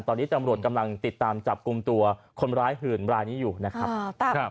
ตอนนี้ตำรวจกำลังติดตามจับกลุ่มตัวคนร้ายหื่นรายนี้อยู่นะครับ